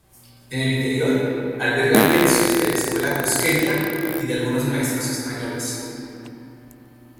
En el interior alberga lienzos de la Escuela Cusqueña y de algunos maestros españoles.